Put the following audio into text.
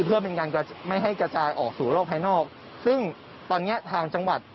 เพื่อเป็นการกระไม่ให้กระจายออกสู่โลกภายนอกซึ่งตอนเนี้ยทางจังหวัด